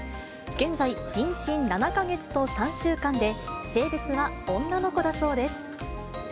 現在、妊娠７か月と３週間で、性別は女の子だそうです。